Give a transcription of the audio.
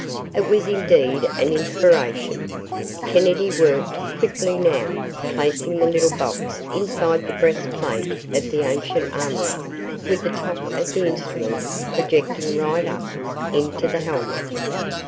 It was indeed an inspiration. Kennedy worked quickly now, placing the little box inside the breast plate of the ancient armourer with the top of the instrument projecting right up into the helmet.